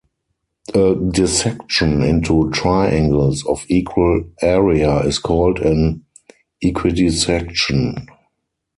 A dissection into triangles of equal area is called an equidissection.